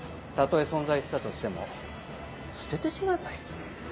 たとえ存在したとしても捨ててしまえばいい。